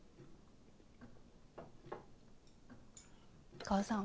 お母さん。